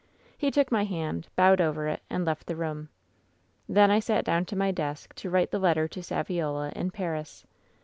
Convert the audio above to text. "He took my hand, bowed over it and left the room. "Then I sat down to my desk to write the letter to Saviola in Paris.